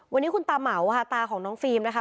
วันนี้คุณตาเหมาค่ะตาของน้องฟิล์มนะคะ